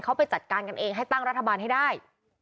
เขาไปจัดการกันเองให้ตั้งรัฐบาลให้ได้